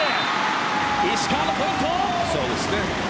石川のポイント！